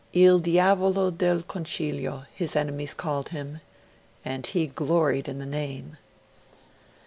'Il Diavolo del Concilio' his enemies called him; and he gloried in the name.